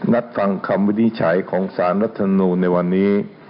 นัดฟังคำวินิจฉัยของสารรัฐมนูลในวันนี้